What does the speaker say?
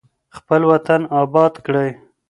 خپل وطن اباد کړئ.